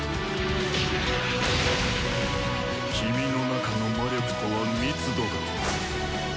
キミの中の魔力とは「密度」が。